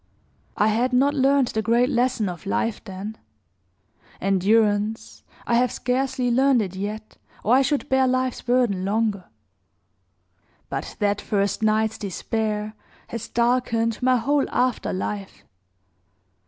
I had not learned the great lesson of life then endurance, I have scarcely learned it yet, or I should bear life's burden longer; but that first night's despair has darkened my whole after life.